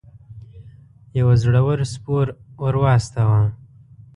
یو زړه ور سپور ور واستاوه.